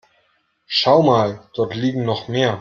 Schau mal, dort liegen noch mehr.